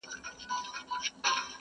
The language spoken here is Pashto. په اُمید د مغفرت دي د کرم رحم مالِکه,